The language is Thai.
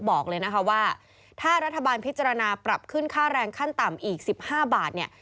บอกเลยนะคะว่าถ้ารัฐบาลพิจารณาปรับขึ้นค่าแรงขั้นต่ำอีก๑๕บาทเนี่ย